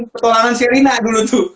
petualangan sherina dulu tuh